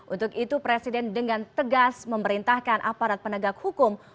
untuk itu presiden dengan tegas memerintahkan aparat penegak hukum